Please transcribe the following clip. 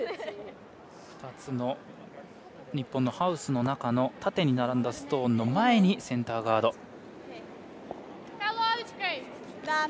２つの日本のハウスの中の縦に並んだストーンの前にセンターガード。